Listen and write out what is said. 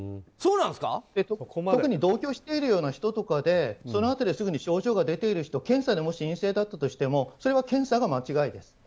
特に同居しているような人とかでそのあとすぐに症状が出てる人検査でもし陰性だったとしてもそれは検査が間違いです。